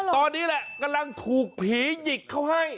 ตอนนี้แหละกำลังถูกผีหยิกเขาให้